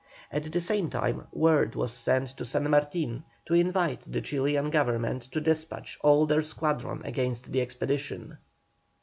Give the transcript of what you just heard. At the same time word was sent to San Martin to invite the Chilian Government to despatch all their squadron against the expedition.